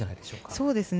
そうですね。